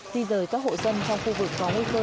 di rời các hộ dân trong khu vực có nguy cơ